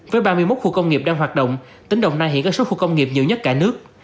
với ba mươi một khu công nghiệp đang hoạt động tỉnh đồng nai hiện có số khu công nghiệp nhiều nhất cả nước